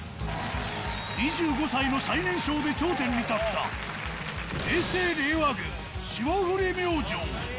２５歳の最年少で頂点に立った平成・令和軍、霜降り明星。